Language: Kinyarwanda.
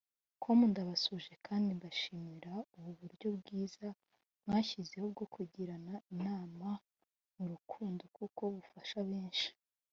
com ndabasuhuje kandi mbashimira ubu buryo bwiza mwashyizeho bwo kugirana inama mu rukundo kuko bufasha benshi